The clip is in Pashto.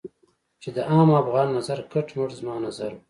چې د عامو افغانانو نظر کټ مټ زما نظر و.